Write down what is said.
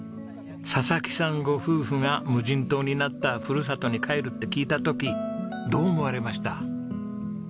佐々木さんご夫婦が無人島になったふるさとに帰るって聞いた時どう思われました？